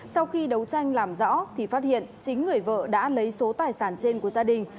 sau khi đấu tranh làm rõ thì phát hiện chính người vợ đã lấy số tài sản trên của gia đình